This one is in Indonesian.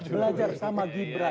belajar sama gibran